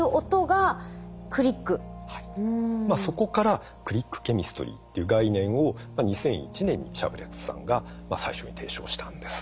そこからクリックケミストリーっていう概念を２００１年にシャープレスさんが最初に提唱したんです。